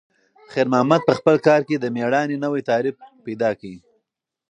خیر محمد په خپل کار کې د میړانې نوی تعریف وموند.